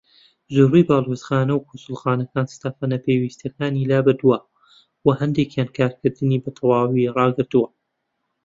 زۆربەی باڵوێزخانە و کونسوڵخانەکان ستافە ناپێوستیەکانی لابردووە، وە هەندێکیان کارکردنی بە تەواوی ڕاگرتووە.